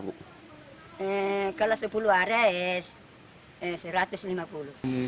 kalau sepuluh haris satu ratus lima puluh